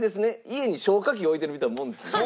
家に消火器置いてるみたいなもんですね。